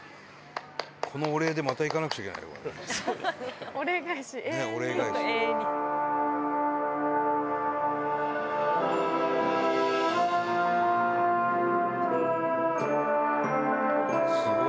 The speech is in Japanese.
このお礼でまた行かなくちゃいけない。